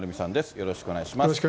よろしくお願いします。